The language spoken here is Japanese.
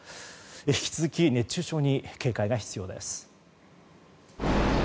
引き続き熱中症に警戒が必要です。